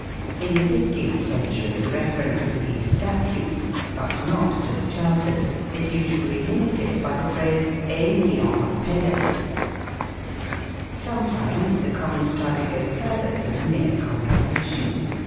In the fifteenth century the reference to these statutes (but not to the charters) is usually limited by the phrase " et nient repellez ". Sometimes the Commons try to go further than a mere confirmation.